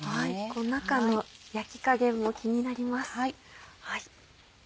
中の焼き加減も気になります。